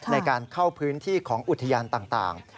ในการเข้าพื้นที่ของอุทยานต่าง